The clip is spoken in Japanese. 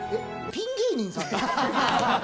ピン芸人さん？